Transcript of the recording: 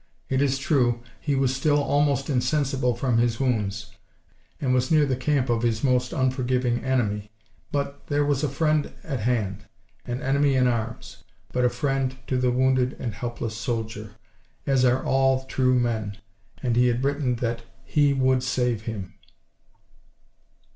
It is true, he was still almost insensible from his wounds, and was near the camp of his most unforgiving enemy, but, there was a friend at hand—an enemy in arms—but a friend to the wounded and helpless soldier, as are all true men—and he had written that "he would save him!"